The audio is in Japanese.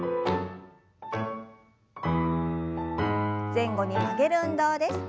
前後に曲げる運動です。